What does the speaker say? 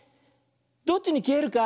どっちにきえるか？